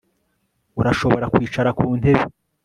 Urashobora kwicara ku ntebe